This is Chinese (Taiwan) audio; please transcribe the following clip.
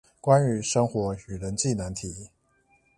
關於生活與人際難題